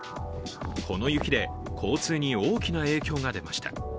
この雪で交通に大きな影響が出ました。